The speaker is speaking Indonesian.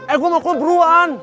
eh gua mau keluar beruan